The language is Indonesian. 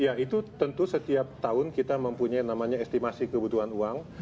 ya itu tentu setiap tahun kita mempunyai namanya estimasi kebutuhan uang